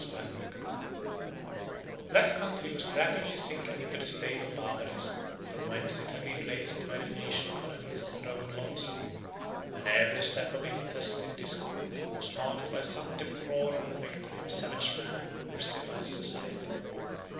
] That country was rapidly sinking into the state of barbarism from whence it had been raised by the Phœnician colonies and Roman laws; and every step of intestine discord was marked by some deplorable victory of savage man over civilized society.